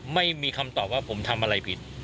ไม่มีคำตอบว่าผมทำอะไรผิด